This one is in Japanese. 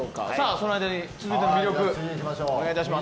その間に続いての魅力お願いします。